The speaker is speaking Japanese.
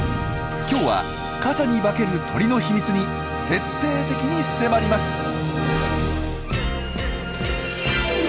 今日は傘に化ける鳥の秘密に徹底的に迫ります。